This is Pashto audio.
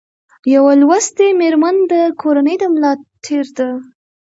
یو لوستي مېرمن د کورنۍ د ملا تېر ده